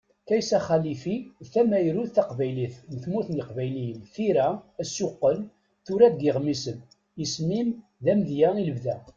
Kaysa Xalifi d tamyarut taqbaylit, n tmurt n yiqbayliyen, tira, asuqqel, tura deg yeɣmisen. Isem-im d amedya i lebda.